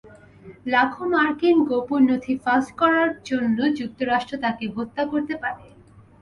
লাখো মার্কিন গোপন নথি ফাঁস করার জন্য যুক্তরাষ্ট্র তাঁকে হত্যা করতে পারে।